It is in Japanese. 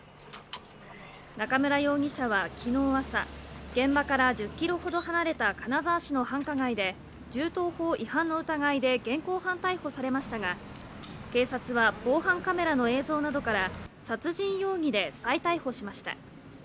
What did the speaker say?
中村容疑者はきのう朝、現場から１０キロほど離れた金沢市の繁華街で、銃刀法違反の疑いで現行犯逮捕されましたが、警察は防犯カメラの映像などから、殺人容疑で再逮捕しました。